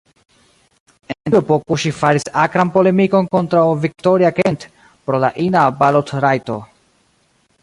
En tiu epoko ŝi faris akran polemikon kontraŭ Victoria Kent pro la ina balotrajto.